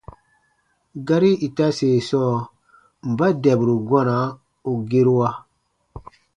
Gari itase sɔɔ: mba dɛburu gɔna u gerua?